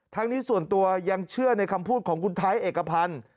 ทั้งนี้ส่วนตัวยังเชื่อในคำพูดของคุณไทยเอกพันธ์